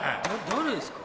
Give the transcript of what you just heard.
誰ですか？